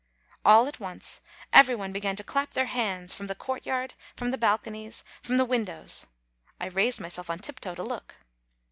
All at once every one began to clap their hands, from the courtyard, from the balconies, from the windows. I raised myself on tiptoe to look.